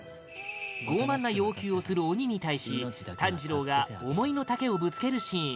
傲慢な要求をする鬼に対し炭治郎が思いの丈をぶつけるシーン